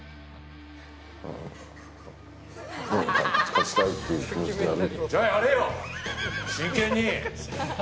勝ちたいっていう気持ちでやる。